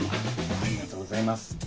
ありがとうございます。